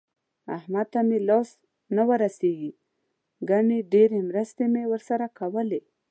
احمد ته مې لاس نه ورسېږي ګني ډېرې مرستې مې ورسره کولې.